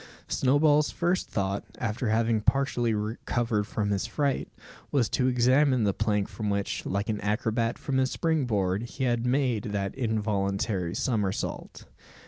Snowball's first thought, after having partially recovered from his fright, was to examine the plank from which, like an acrobat from his spring board, he had made that involuntary somersault.